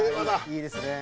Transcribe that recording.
いいですね。